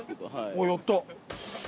あっやった。